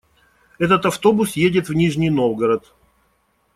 Этот автобус едет в Нижний Новгород.